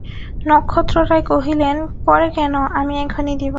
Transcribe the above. নক্ষত্ররায় কহিলেন, পরে কেন, আমি এখনি দিব।